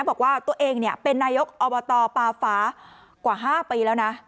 บอกว่าตัวเองเป็นนายกอบตปาฟ้ากว่า๕ปีแล้วนะ